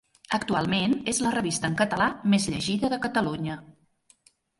Actualment és la revista en català més llegida de Catalunya.